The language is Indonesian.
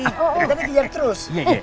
kita lihat terus